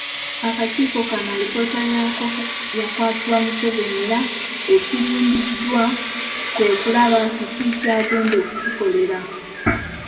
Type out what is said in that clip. Akakiiko kano alipoota yaako yakwasibwa Museveni era ekirindiddwa kwe kulaba kiki kyagenda okugikolera.